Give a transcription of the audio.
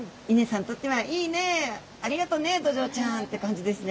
ありがとうねドジョウちゃんって感じですね